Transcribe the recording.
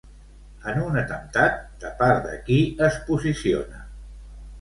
En un atemptat, de part de qui es posiciona?